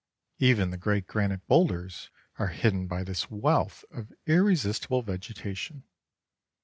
Even the great granite boulders are hidden by this wealth of irresistible vegetation.